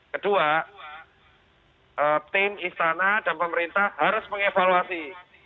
kedua tim istana dan pemerintah harus mengevaluasi